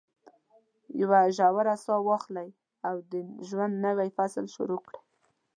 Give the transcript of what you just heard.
یوه ژوره ساه واخلئ او د ژوند نوی فصل شروع کړئ.